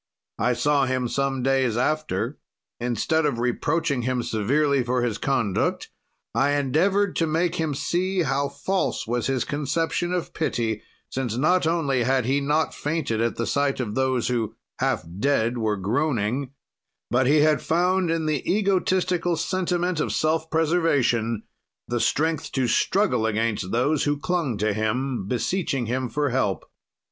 "I saw him some days after; instead of reproaching him severely for his conduct, I endeavored to make him see how false was his conception of pity, since, not only had he not fainted at the sight of those who, half dead, were groaning, but he had found in the egotistical sentiment of self preservation the strength to struggle against those who clung to him, beseeching him for help.